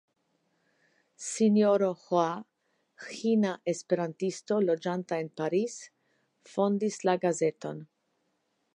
Sinjoro Ĥoa , Ĥina Esperantisto, loĝanta en Paris fondis la gazeton.